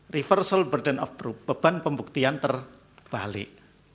reversal burden of group beban pembuktian terbalik